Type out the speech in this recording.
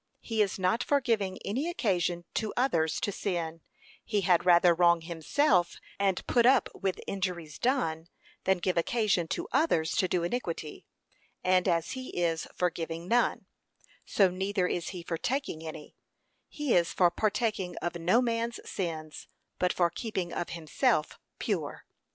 He is not for giving any occasion to others to sin; he had rather wrong himself and put up with injuries done, than give occasion to others to do iniquity; and as he is for giving none, so neither is he for taking any: he is for partaking of no man's sins, but for keeping of himself pure.